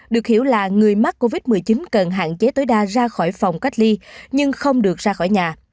được hiểu là người mắc covid một mươi chín cần hạn chế tối đa ra khỏi phòng cách ly nhưng không được ra khỏi nhà